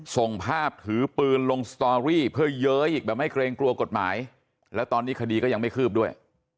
ส่งภาพถือปืนลงสตอรี่เพื่อเย้ยอีกแบบไม่เกรงกลัวกฎหมายแล้วตอนนี้คดีก็ยังไม่คืบด้วย